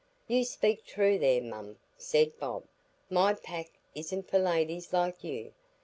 "You speak true there, mum," said Bob. "My pack isn't for ladies like you.